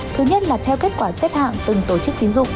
thứ nhất là theo kết quả xếp hạng từng tổ chức tín dụng